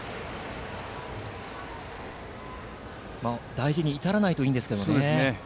大事に至らないといいんですけどね。